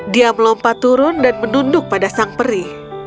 dia melompat turun dan menunduk pada sang peri